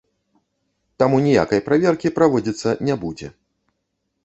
Таму ніякай праверкі праводзіцца не будзе.